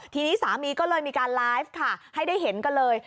ทีนี้สามีก็เลยมีการไลฟ์ค่ะให้ได้เห็นกันเลย